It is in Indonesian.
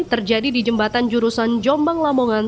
terjadi di jembatan jurusan jombang lamongan